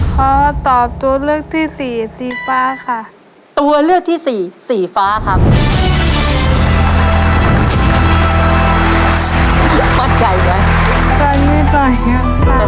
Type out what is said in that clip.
ขอตอบตัวเลือกที่สี่สีฟ้าค่ะ